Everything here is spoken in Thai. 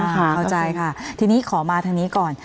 เข้าใจค่ะทีนี้ขอมาทางนี้ก่อน